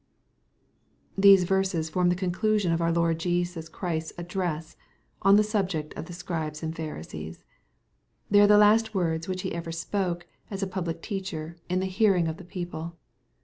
These verses form the conclusion of our Lord Jesus Christ's address, on the subject of the Scribes and Phari sees. They are the last words which He ever spoke, a« MATTHEW, CHAI XXHI. SOT a public teacher, in the hearing of the people.